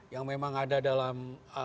yang memang ada dalam